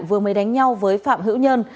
vừa mới đánh nhau với phạm hữu nhân